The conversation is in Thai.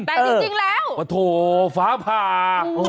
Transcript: แต่จริงแล้วว่าโถฝาผ่า